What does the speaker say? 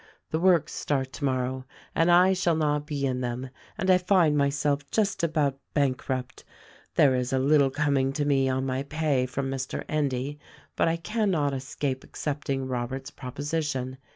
The works start tomorrow, and I shall not be in them — and I find myself just about bank rupt. There is a little coming to me on my pay from Mr. Endy ; but I cannot escape accepting Robert's proposition.